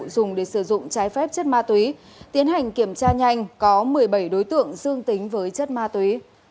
dùng để sử dụng trái phép chất ma túy tiến hành kiểm tra nhanh có một mươi bảy đối tượng dương tính với chất ma túy